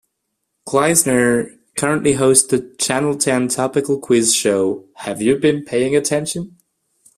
Gleisner currently hosts the Channel Ten topical quiz show Have You Been Paying Attention?